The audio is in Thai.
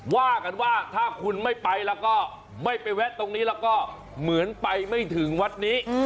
ว่ากันว่าถ้าคุณไม่ไปแล้วก็ไม่ไปแวะตรงนี้แล้วก็เหมือนไปไม่ถึงวัดนี้